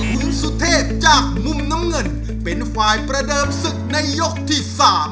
คุณสุเทพจากมุมน้ำเงินเป็นฝ่ายประเดิมศึกในยกที่๓